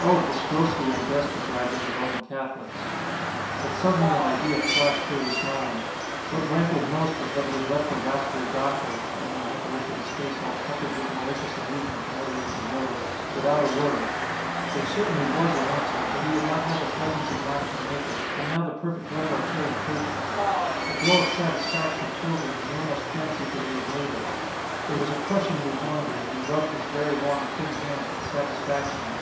Oh, it was grossly unjust to drag in the Roman Catholics. But suddenly an idea flashed through his mind. What rankled most was that he had left the ras cally doctor (you only had to look at his face all puckered with malicious amusement to know he was a rogue) without a word. There certainly 138 THE STRANGER was an answer, but he had not had the presence of mind to make it ; and now the perfect repartee oc curred to him. A glow of satisfaction filled him and he almost fancied that he had made it. It was a crushing rejoinder and he rubbed his very long thin hands with satisfaction.